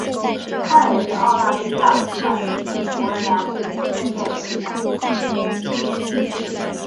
他也是澳大利亚板球国家队现在的队长。